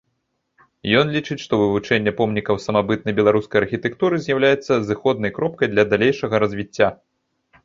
Ён лічыць, што вывучэнне помнікаў самабытнай беларускай архітэктуры з'яўляецца зыходнай кропкай для далейшага развіцця.